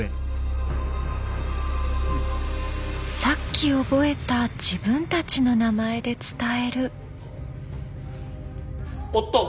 さっき覚えた自分たちの名前で伝える。